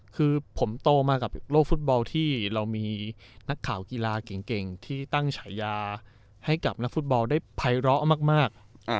คือผมโตมากับโลกฟุตบอลที่เรามีนักข่าวกีฬาเก่งที่ตั้งฉายาให้กับนักฟุตบอลได้ภัยร้อมาก